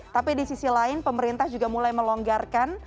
tapi di sisi lain pemerintah juga mulai melonggarkan